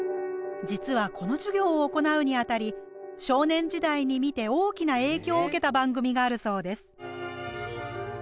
実はこの授業を行うにあたり少年時代に見て大きな影響を受けた番組があるそうです。